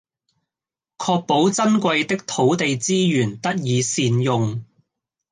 確保珍貴的土地資源得以善用